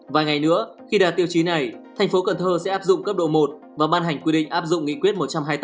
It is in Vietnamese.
vài ngày nữa khi đạt tiêu chí này thành phố cần thơ sẽ áp dụng cấp độ một và ban hành quy định áp dụng nghị quyết một trăm hai mươi tám